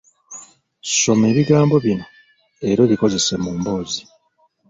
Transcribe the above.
Soma ebigambo bino era obikozese mu mboozi.